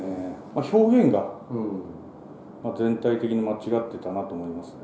表現が全体的に間違ってたなと思いますね。